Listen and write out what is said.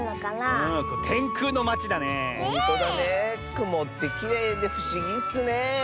くもってきれいでふしぎッスね！